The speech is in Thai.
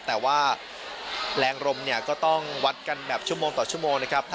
แต่ว่าแรงลมเนี่ยก็ต้องวัดกันแบบชั่วโมงต่อชั่วโมงนะครับ